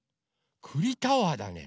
くりタワーだね。